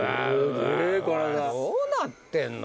どうなってんの？